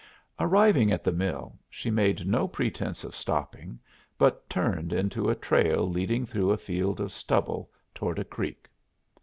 Arriving at the mill, she made no pretense of stopping, but turned into a trail leading through a field of stubble toward a creek.